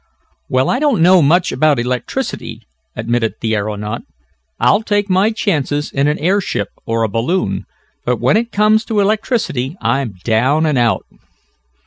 "Well, I don't know much about electricity," admitted the aeronaut. "I'll take my chances in an airship or a balloon, but when it comes to electricity I'm down and out."